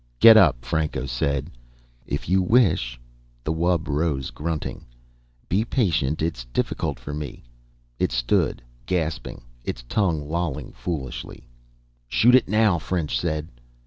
"Get up," Franco said. "If you wish." The wub rose, grunting. "Be patient. It is difficult for me." It stood, gasping, its tongue lolling foolishly. "Shoot it now," French said.